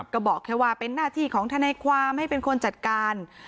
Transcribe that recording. ก็บอกแค่ว่าเป็นหน้าที่ของทนายความให้เป็นคนจัดการ